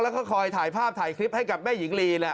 แล้วก็คอยถ่ายภาพถ่ายคลิปให้กับแม่หญิงลีเนี่ย